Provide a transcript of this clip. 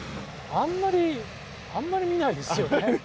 あんまり見ないですよね。